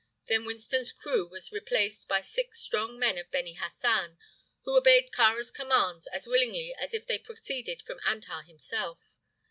Then Winston's crew was replaced by six strong men of Beni Hassan, who obeyed Kāra's commands as willingly as if they proceeded from Antar himself.